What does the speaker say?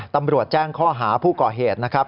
ตำรวจแจ้งข้อหาผู้ก่อเหตุนะครับ